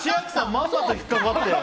まんまと引っかかってる。